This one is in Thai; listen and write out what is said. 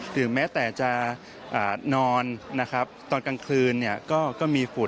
ถึงแม้แต่จะนอนตอนกลางคืนก็มีฝุ่น